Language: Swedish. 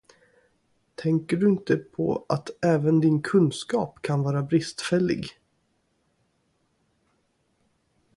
Tänker du inte på att även din kunskap kan vara bristfällig.